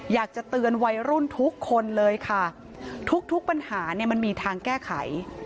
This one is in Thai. อยากจะเตือนวัยรุ่นทุกคนเลยค่ะทุกทุกปัญหาเนี่ยมันมีทางแก้ไข